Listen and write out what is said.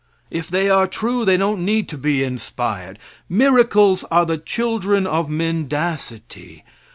If they are true they don't need to be inspired. Miracles are the children of mendacity.